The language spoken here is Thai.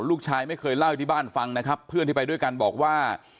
ลูกชายไม่เคยเล่าที่บ้านฟังนะครับเพื่อนที่ไปด้วยกันบอกว่า